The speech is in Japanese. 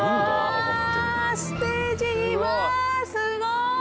すごい。